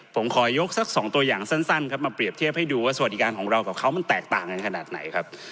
ผมขอยกสักสองตัวอย่างสั้นครับมาเปรียบเทียบให้ดูว่าสวัสดิการของเรากับเขามันแตกต่างกันขนาดไหนครับ